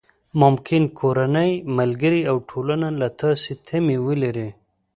ممکن کورنۍ، ملګري او ټولنه له تاسې تمې ولري.